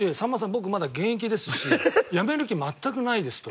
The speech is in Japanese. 僕まだ現役ですしやめる気全くないですと。